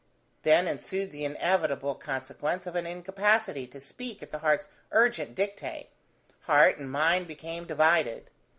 Then ensued the inevitable consequence of an incapacity to speak at the heart's urgent dictate: heart and mind became divided.